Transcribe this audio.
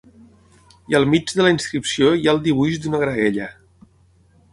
I al mig de la inscripció hi ha el dibuix d'una graella.